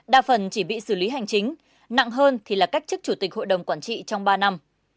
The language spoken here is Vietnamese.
đa phần chỉ bị xử lý hành chính nặng hơn thì là cách chức chủ tịch hội đồng quản trị trong ba năm